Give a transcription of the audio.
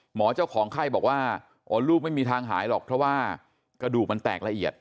เจ้าของไข้บอกว่าลูกไม่มีทางหายหรอกเพราะว่ากระดูกมันแตกละเอียด